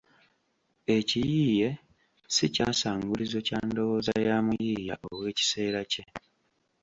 Ekiyiiye ssi kyasangulizo kya ndowooza ya muyiiya ow’ekiseera kye.